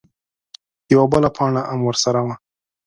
_يوه بله پاڼه ام ورسره وه.